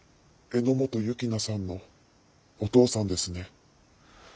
榎本雪菜さんのお父さんですね。